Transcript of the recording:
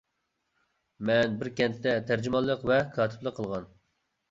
مەن بىر كەنتتە تەرجىمانلىق ۋە كاتىپلىق قىلغان.